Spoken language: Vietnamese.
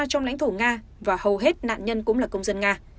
trong lãnh thổ nga và hầu hết nạn nhân cũng là công dân nga